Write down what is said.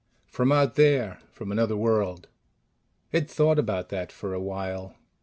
"From out there. From another world." It thought about that for a while.